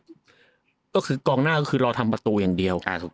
ก็คือกองหน้าก็คือรอทำประตูอย่างเดียว